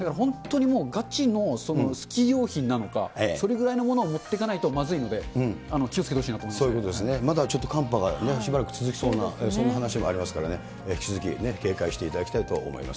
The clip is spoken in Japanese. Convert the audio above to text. だからもう、本当にガチのスキー用品なのか、そのぐらいのものを持っていかないとまずいので、気をつけてほしそういうことですね、まだちょっと寒波が、しばらく続きそうな、そんな話もありますからね、引き続き警戒していただきたいと思います。